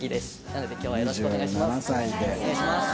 なので今日はよろしくお願いします。